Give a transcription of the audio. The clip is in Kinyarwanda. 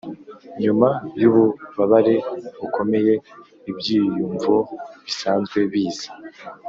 nyuma yububabare bukomeye ibyiyumvo bisanzwe biza--